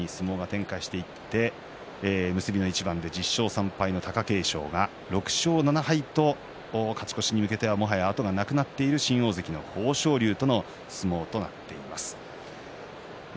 結びの一番で１０勝３敗の貴景勝が６勝７敗と勝ち越しに向けてもはや後がなくなっている新大関の豊昇龍との相撲となっています。